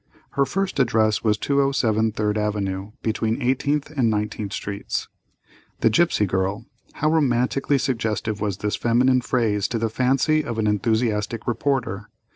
Her first address was 207 3d Avenue, between Eighteenth and Nineteenth Streets. The Gipsy Girl! How romantically suggestive was this feminine phrase to the fancy of an enthusiastic reporter.